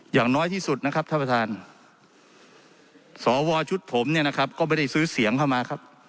อย่างน้อยที่สุดนะครับท่านประธานสวชุดผมเนี่ยนะครับก็ไม่ได้ซื้อเสียงเข้ามาครับ